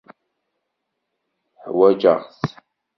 Ḥwaǧeɣ-tt.